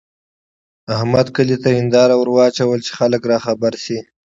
احمد کلي ته هېنداره ور واچوله چې خلګ راخبر شي.